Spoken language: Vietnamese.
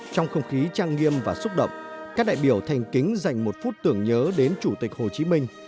trong không khí trang nghiêm và xúc động các đại biểu thành kính dành một phút tưởng nhớ đến chủ tịch hồ chí minh